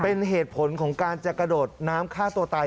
เป็นเหตุผลของการจะกระโดดน้ำฆ่าตัวตาย